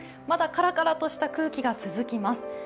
まだカラカラとした空気が続きます。